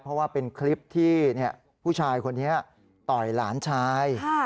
เพราะว่าเป็นคลิปที่ผู้ชายคนนี้ต่อยหลานชาย